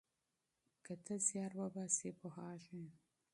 که ته زیار وباسې پوهیږې.